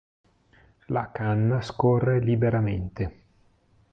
La canna scorre liberamente.